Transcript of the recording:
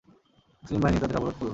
মুসলিম বাহিনী তাদের অবরোধ করল।